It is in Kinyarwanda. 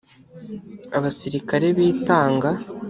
abasirikare bitanga